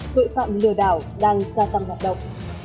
tội phạm lừa đảo đang gia tăng hoạt động